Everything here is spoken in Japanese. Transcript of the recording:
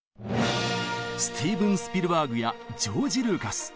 スティーブン・スピルバーグやジョージ・ルーカス。